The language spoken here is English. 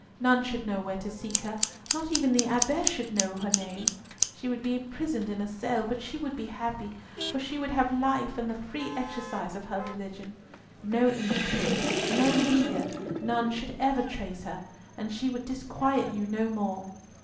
None should know where to seek her. Not even the Abbess should know her name. She would be prisoned in a cell, but she would be happy, for she would have life and the free exercise of her religion. No English Papist, no Leaguer, none should ever trace her, and she would disquiet you no more."